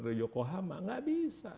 dari yokohama enggak bisa